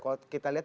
kalau kita lihat